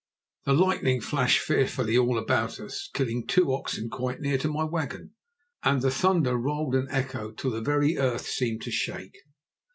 The lightning flashed fearfully all about us, killing two oxen quite near to my wagon, and the thunder rolled and echoed till the very earth seemed to shake.